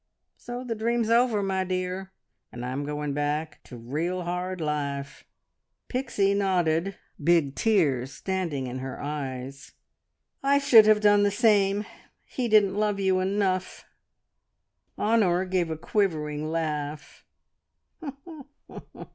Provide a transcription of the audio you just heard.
So the dream's over, my dear, and I'm going back to real hard life." Pixie nodded, the big tears standing in her eyes. "I should have done the same. He didn't love you enough." Honor gave a quivering laugh.